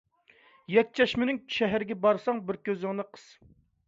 يەكچەشمىنىڭ شەھىرىگە بارساڭ بىر كۆزۈڭنى قىس.